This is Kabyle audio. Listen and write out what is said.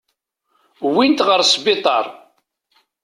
Wwin-t ɣer sbiṭar.